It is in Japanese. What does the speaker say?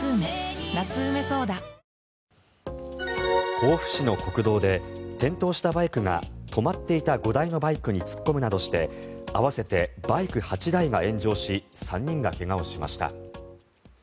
甲府市の国道で転倒したバイクが止まっていた５台のバイクに突っ込むなどして合わせてバイク８台が炎上し３人が怪我をしました。